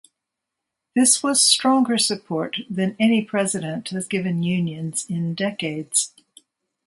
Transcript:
This was stronger support than any president has given unions in decades.